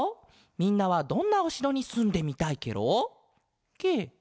みんなはどんなおしろにすんでみたいケロ？ケ？